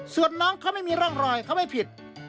ส่วนน้องเขาไม่มีร่องรอยเขาไม่ผิด